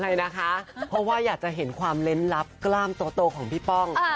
เพราะว่าอยากจะเห็นความเล่นลับกล้ามโตของพี่ป้อง